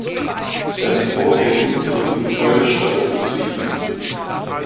Das Vorbecken wird im Vollstau betrieben.